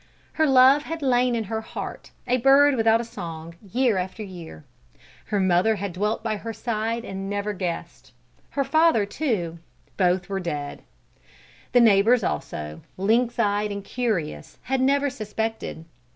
Her love had lain in her heart a bird without a song, year after year. Her mother had dwelt by her side and never guessed; her father too; and both were dead. The neighbours also, lynx eyed and curious, had never suspected.